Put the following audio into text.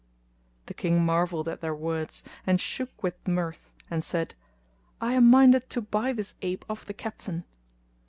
The King marvelled at their words and shook with mirth and said, "I am minded to buy this ape of the Captain."